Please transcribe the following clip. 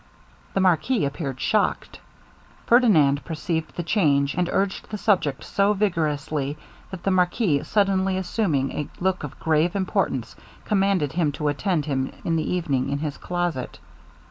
The marquis appeared shocked. Ferdinand perceived the change, and urged the subject so vigorously, that the marquis, suddenly assuming a look of grave importance, commanded him to attend him in the evening in his closet.